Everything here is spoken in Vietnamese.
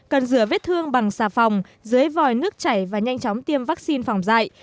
cần rửa vết thương bằng xà phòng dưới vòi nước chảy và nhanh chóng tiêm vắc xin phòng dại